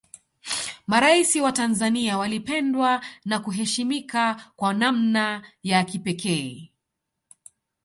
maraisi wa tanzania walipendwa na kuheshimika kwa namna ya kipekee